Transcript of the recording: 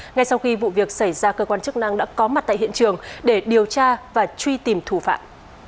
ngay sau khi vụ việc xảy ra cơ quan chức năng đã có mặt tại hiện trường để điều tra và truy tìm thủ phạm